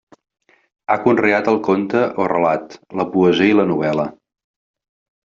Ha conreat el conte o relat, la poesia i la novel·la.